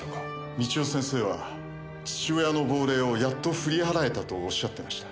美千代先生は父親の亡霊をやっと振り払えたとおっしゃってました。